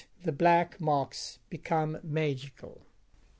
The Black Marks become Magical.